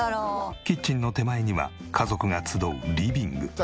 キッチンの手前には家族が集うリビング。